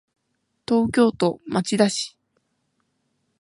東京都町田市